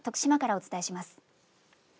徳島からお伝えします。